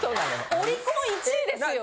オリコン１位ですよ。